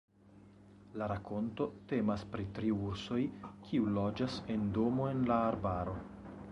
La rakonto temas pri tri ursoj kiuj loĝas en domo en la arbaro.